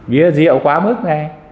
bia rượu quá mức này